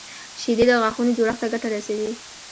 شیدې د غاښونو جوړښت ته ګټه رسوي